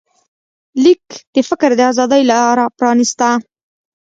لیک د فکر د ازادۍ لاره پرانسته.